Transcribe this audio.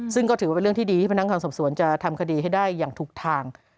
ซึ่งก็ถือว่าเป็นเรื่องที่ดีที่พนักงานสอบสวนจะทำคดีให้ได้อย่างถูกทาง